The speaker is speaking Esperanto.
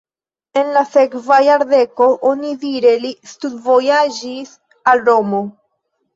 En la sekva jardeko onidire li studvojaĝis al Romo.